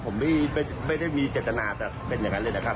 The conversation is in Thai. ผมไม่ได้มีเจตนาแต่เป็นอย่างนั้นเลยนะครับ